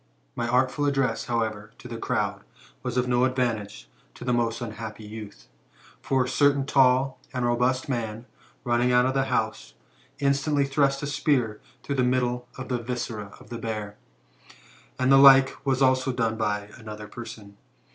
My artful address, however, to the crowd, was of no advantage to the most unhappy youth. For a certain tall and robust man, running out of the house, in stantly thrust a spear through the middle of the viscera of the bear, and the like was also done by another person.